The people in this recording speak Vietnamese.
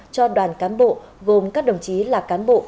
cho đoàn cán bộ gồm các đồng chí là cán bộ